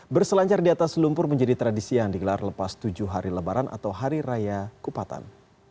berselancar di atas lumpur menjadi tradisi yang digelar lepas tujuh hari lebaran atau hari raya kupatan